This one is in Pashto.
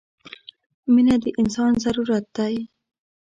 • مینه د انسان ضرورت دی.